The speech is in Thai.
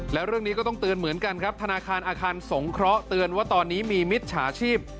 แล้วเรื่องนี้ก็ต้องเตือนเหมือนกันครับธนาคารอาคารสงเคราะห์เตือนว่าตอนนี้มีมิจฉาชีพ